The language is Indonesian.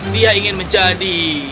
dia ingin menjadi